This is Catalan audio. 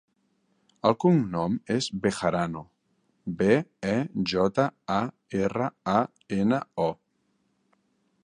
El cognom és Bejarano: be, e, jota, a, erra, a, ena, o.